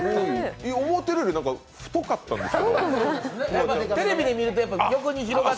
思ってるより太かったんですが。